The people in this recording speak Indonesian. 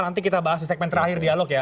nanti kita bahas di segmen terakhir dialog ya